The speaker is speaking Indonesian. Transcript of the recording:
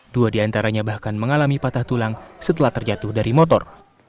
dua diantaranya bahkan mengalami patah tulang setelah terjatuh dari motor